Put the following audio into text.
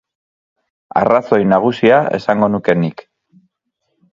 Arrazoi nagusia, esango nuke nik.